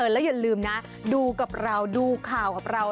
แล้วอย่าลืมนะดูกับเราดูข่าวกับเรา